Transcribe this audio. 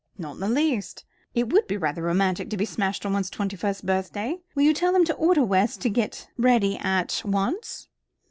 "Not in the least. It would be rather romantic to be smashed on one's twenty first birthday. Will you tell them to order West to get ready at once."